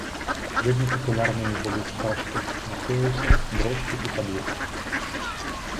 Вельмі папулярнымі былі спражкі на поясе, брошкі і падвескі.